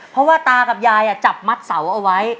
เพราะว่าตากับยายจับมัดเสาเอาไว้